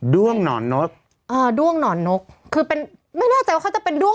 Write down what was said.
้วงหนอนนกอ่าด้วงหนอนนกคือเป็นไม่แน่ใจว่าเขาจะเป็นด้วง